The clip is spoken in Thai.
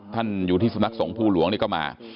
ท่านอยู่ที่สำนักสงภูหลวงนี่ก็มา